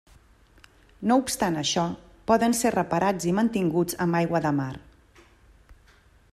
No obstant això, poden ser reparats i mantinguts amb aigua de mar.